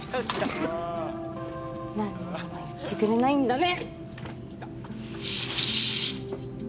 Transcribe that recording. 何にも言ってくれないんだね！